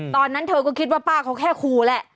ตอนนั้นเธอก็คิดว่าป้าเขาแค่คู่แหละ